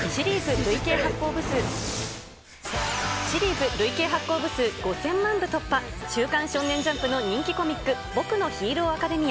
シリーズ累計発行部数５０００万部突破、週刊少年ジャンプの人気コミック、僕のヒーローアカデミア。